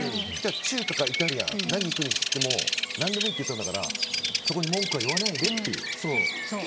中華かイタリアン何に行くにしても何でもいいって言ったんだからそこに文句は言わないでって。